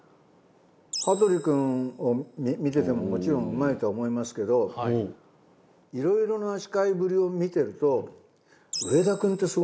羽鳥君を見ててももちろんうまいとは思いますけどいろいろな司会ぶりを見てると。